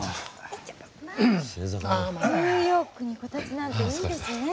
ニューヨークにこたつなんていいですね。